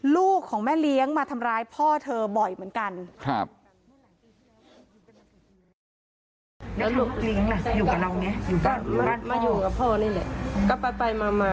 ลูกของแม่เลี้ยงมาทำร้ายพ่อเธอบ่อยเหมือนกัน